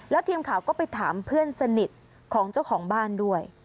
แล้วทีมข่าวก็ไปถามเพื่อนสนิทของเจ้าของบ้านด้วย